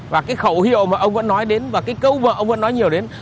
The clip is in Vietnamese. và cái khẩu hiệu mà ông vẫn nói đến và cái câu vợ ông vẫn nói nhiều đến